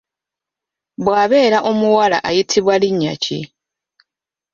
bwabeera omuwala ayitibwa linnya ki?